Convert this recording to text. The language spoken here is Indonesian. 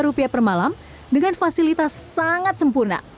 rp dua ratus juta per malam dengan fasilitas sangat sempurna